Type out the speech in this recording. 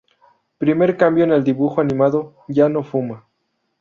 Primer cambio en el dibujo animado: Ya no fuma.